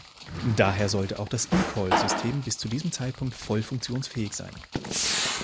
Daher sollte auch das eCall-System bis zu diesem Zeitpunkt voll funktionsfähig sein.